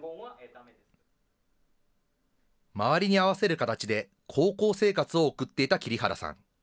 周りに合わせる形で高校生活を送っていた桐原さん。